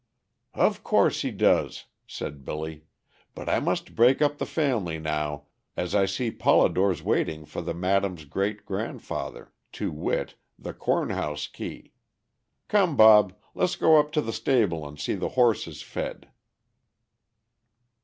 "Of course he does," said Billy; "but I must break up the family now, as I see Polidore's waiting for the madam's great grandfather, to wit, the corn house key. Come Bob, let's go up to the stable and see the horses fed."